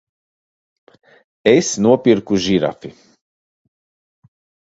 Es nopirku žirafi!